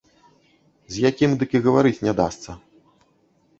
З якім дык і гаварыць не дасца.